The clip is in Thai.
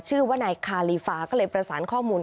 ชื่อว่านายคาลีฟาก็เลยประสานข้อมูล